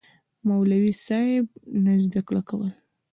مولوي صېب نه زده کول